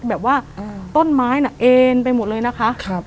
แบบว่าต้นไม้น่ะเอ็นไปหมดเลยนะคะ